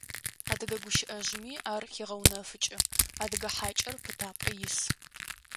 Адыгэ гущыӏэжъыми ар хегъэунэфыкӏы: «Адыгэ хьакӏэр пытапӏэ ис».